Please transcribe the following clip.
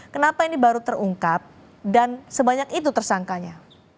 kenapa ini baru terungkap dan sebanyak itu tersangkanya